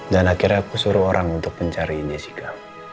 akhirnya aku suruh orang untuk mencari jessica